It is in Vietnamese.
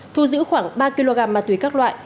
thu giữ khoảng ba kg ma túy các loại